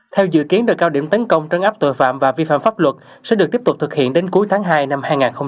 theo dự kiến đợt cao điểm tấn công trân áp tội phạm và vi phạm pháp luật sẽ được tiếp tục thực hiện đến cuối tháng hai năm hai nghìn hai mươi